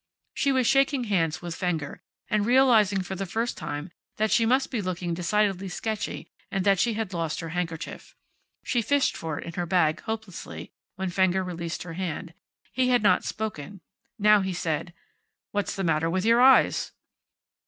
She was shaking hands with Fenger, and realizing for the first time that she must be looking decidedly sketchy and that she had lost her handkerchief. She fished for it in her bag, hopelessly, when Fenger released her hand. He had not spoken. Now he said: "What's the matter with your eyes?"